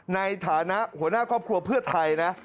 ในฐานะหัวหน้าครอบครัวเพื่อไทยนะ